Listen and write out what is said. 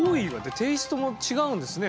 テーストも違うんですね